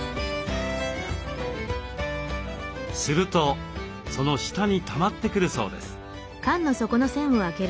するとその下にたまってくるそうです。